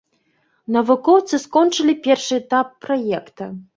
Навукоўцы скончылі першы этап праекта.